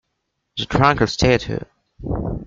The trunk of a statue.